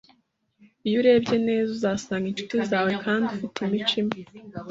Iyo urebye neza, uzasanga inshuti zawe kandi ufite imico imwe